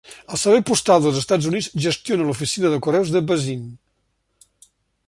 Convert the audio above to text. El Servei Postal dels Estats Units gestiona l'oficina de correus de Basin.